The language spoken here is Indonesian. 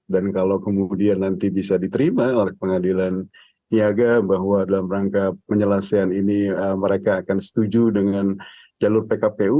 dan kalau kemudian nanti bisa diterima oleh pengadilan niaga bahwa dalam rangka penyelesaian ini mereka akan setuju dengan jalur pkpu